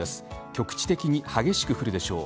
局地的に激しく降るでしょう。